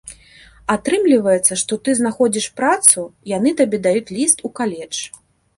Атрымліваецца, што ты знаходзіш працу, яны табе даюць ліст у каледж.